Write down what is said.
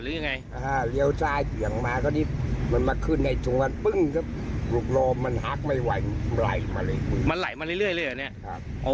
หรือยังไงอ่าเลี้ยวซ้ายเบี่ยงมาก็นี่มันมาขึ้นในส่วนมันหักไม่ไหวมันไหลมาเลยมันไหลมาเรื่อยเรื่อยเลยเหรอเนี้ย